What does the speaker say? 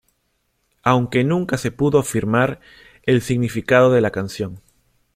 Aunque nunca se pudo afirmar el significado de la canción.